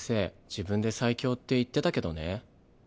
自分で最強って言ってたけどね。